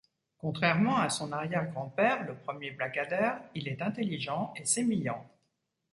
Contrairement à son arrière-grand-père, le premier Blackadder, il est intelligent et sémillant.